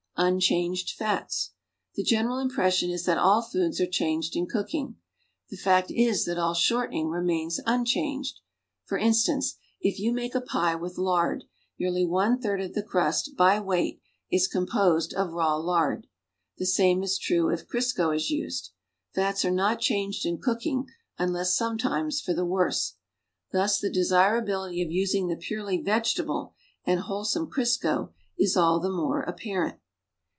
UNCHANGED FATS The general impression is that all foods are changed in cooking. The fact is that all shortening remains unchanged. For instance, if you make a pie with lard, nearly one third of the crust, by weight, is composed of raw lard. The same is true if Crisco is u.sed. Fats are not changed in cooking unless sometimes for the worse. Thus the desirability of using the purely vegetable and wholesome Crisco is all the more apparent.